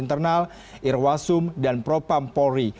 internal irwasum dan propam polri